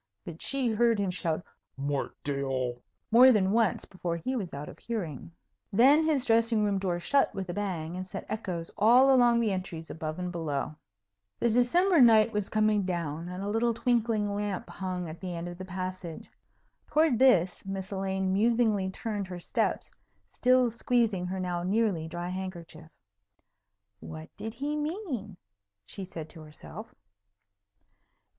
But she heard him shout "Mort d'aieul!" more than once before he was out of hearing. Then his dressing room door shut with a bang, and sent echoes all along the entries above and below. [Illustration: Sir Godfrey maketh him ready for the Bath] The December night was coming down, and a little twinkling lamp hung at the end of the passage. Towards this Miss Elaine musingly turned her steps, still squeezing her now nearly dry handkerchief. "What did he mean?" she said to herself.